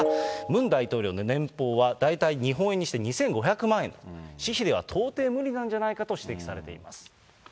ムン大統領の年俸は大体日本円にして２５００万円、私費では到底無理なんじゃないかと指摘されています。